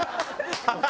「ハハハハ！」